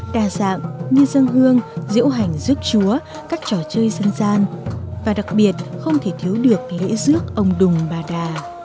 đa dạng như dân hương diễu hành rước chúa các trò chơi dân gian và đặc biệt không thể thiếu được lễ rước ông đùng bà đà